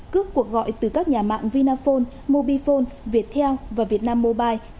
cước cuộc gọi từ các nhà mạng vinaphone mobifone viettel và vietnam mobile